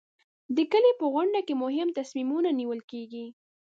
د کلي په غونډه کې مهم تصمیمونه نیول کېږي.